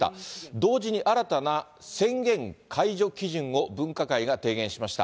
同時に新たな宣言解除基準を、分科会が提言しました。